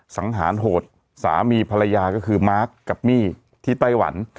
สังหารโหดสามีภรรยาก็คือมาร์คกับมี่ที่ไต้หวัน